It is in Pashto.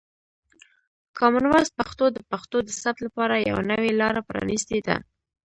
کامن وایس پښتو د پښتو د ثبت لپاره یوه نوې لاره پرانیستې ده.